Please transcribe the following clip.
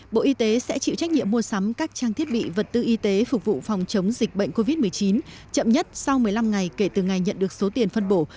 bộ y tế sẽ chịu trách nhiệm mua sắm các trang thiết bị vật tư y tế phục vụ phòng chống dịch bệnh covid một mươi chín chậm nhất sau một mươi năm ngày kể từ ngày nhận được số tiền phân bổ